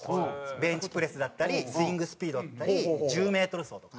ベンチプレスだったりスイングスピードだったり１０メートル走とか。